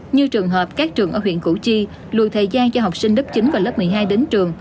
như trường hợp các trường ở huyện củ chi lùi thời gian cho học sinh lớp chín và lớp một mươi hai đến trường